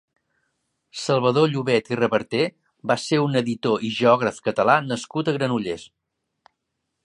Salvador Llobet i Reverter va ser un editor i geograf catala nascut a Granollers.